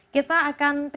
kita akan konfirmasi